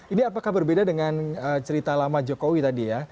ini apakah berbeda dengan cerita lama jokowi tadi ya